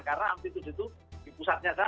karena amplitude itu di pusatnya sana